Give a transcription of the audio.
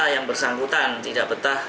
yang bersangkutan tidak betah